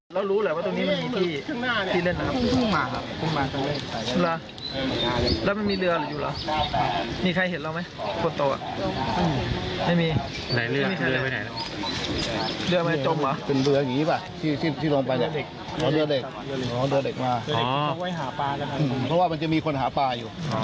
เพราะว่ามันจะมีคนหาปลาอยู่